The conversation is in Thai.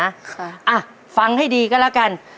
อ่ะฟังให้ดีกันละกัน